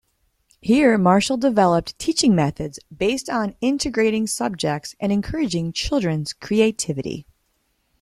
Here Marshall developed teaching methods based on integrating subjects and encouraging children's creativity.